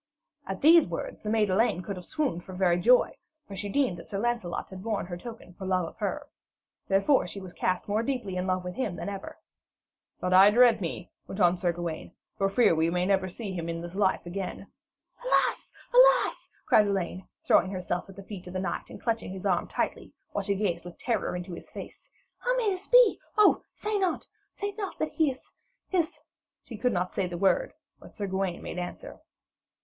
At these words the maid Elaine could have swooned for very joy, for she deemed that Sir Lancelot had borne her token for love of her. Therefore, she was cast more deeply in love with him than ever. 'But I dread me,' went on Sir Gawaine, 'for I fear we may never see him in this life again.' 'Alas! alas!' cried Elaine, throwing herself at the feet of the knight, and clutching his arm tightly, while she gazed with terror into his face. 'How may this be? oh, say not say not that he is is ' She could not say the word, but Sir Gawaine made answer.